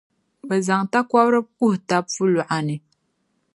bɛ zaŋ takɔbiri kuhi tab’ puluɣa ni.